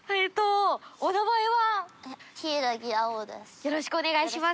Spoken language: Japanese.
よろしくお願いします。